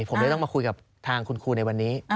ผมเลยต้องมาคุยกับทางคุณครูในวันนี้